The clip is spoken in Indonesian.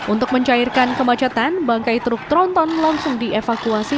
untuk mencairkan kemacetan bangkai truk tronton langsung dievakuasi